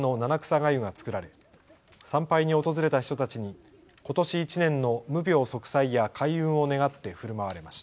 がゆが作られ参拝に訪れた人たちにことし１年の無病息災や開運を願ってふるまわれました。